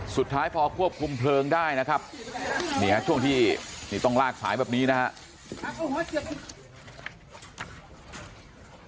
สุดท้ายพอควบคุมเพลิงได้นะครับนี่ฮะช่วงที่นี่ต้องลากสายแบบนี้นะครับ